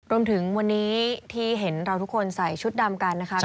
รวมถึงวันนี้ที่เห็นเราทุกคนใส่ชุดดำกันนะครับ